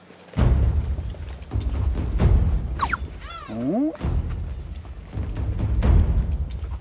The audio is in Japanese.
うん？